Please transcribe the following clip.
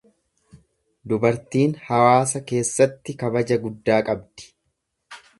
Dubartiin hawaasa keessatti kabaja guddaa qabdi.